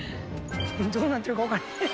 どうなってるか分からへん。